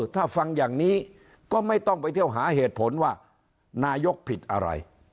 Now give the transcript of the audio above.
ถ้าฟังอย่างนี้ก็ไม่ต้องไปเที่ยวหาเหตุผลว่านายกผิดอะไร